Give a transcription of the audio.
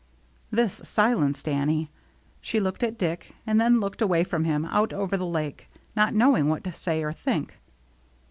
This silenced Annie. She looked at Dick, and then looked away from him, out over the Lake, not knowing what to say or think.